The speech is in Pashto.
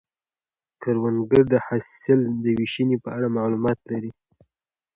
کروندګر د حاصل د ویشنې په اړه معلومات لري